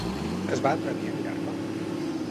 Es va atrevir a mirar-la?